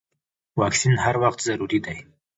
واکسین هر وخت ضروري دی.